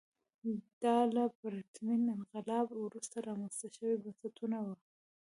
دا له پرتمین انقلاب وروسته رامنځته شوي بنسټونه وو.